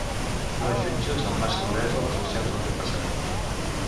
No jutges amb massa duresa les accions del teu passat.